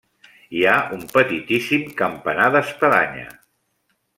Hi ha un petitíssim campanar d'espadanya.